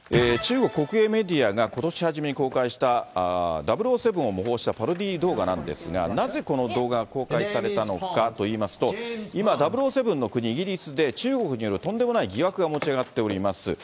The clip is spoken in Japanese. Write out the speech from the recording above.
中国国営メディアがことし初めに公開した、００７を模倣したパロディー動画なんですが、なぜ、この動画が公開されたのかといいますと、今、００７の国、イギリスで、中国によるとんでもない疑惑が持ち上がっております。